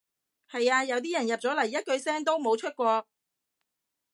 係呀，有啲人入咗嚟一句聲都冇出過